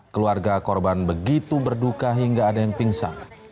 keluarga korban begitu berduka hingga ada yang pingsan